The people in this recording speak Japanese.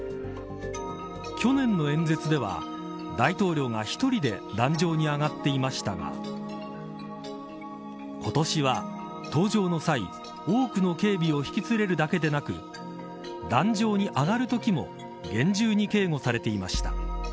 去年の演説では大統領が１人で壇上に上がっていましたが今年は登場の際多くの警備を引き連れるだけでなく壇上に上がるときも厳重に警護されていました。